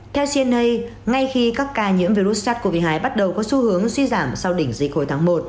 theo cn ngay khi các ca nhiễm virus sars cov hai bắt đầu có xu hướng suy giảm sau đỉnh dịch hồi tháng một